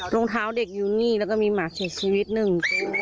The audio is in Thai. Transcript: รองเท้าเด็กอยู่นี่แล้วก็มีหมาเสียชีวิตหนึ่ง